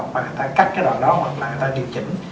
hoặc người ta cắt đoạn đó hoặc người ta điều chỉnh